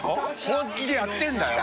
本気でやってるんだよ。